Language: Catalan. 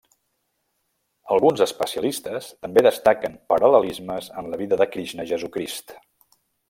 Alguns especialistes també destaquen paral·lelismes en la vida de Krixna i Jesucrist.